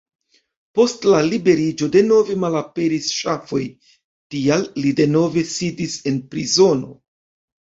Post la liberiĝo denove malaperis ŝafoj, tial li denove sidis en prizono.